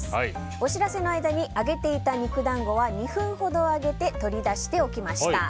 お知らせの間に揚げていた肉団子は２分ほど揚げて取り出しておきました。